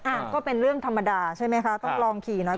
อ่ะก็เป็นเรื่องธรรมดาใช่ไหมคะต้องลองขี่หน่อย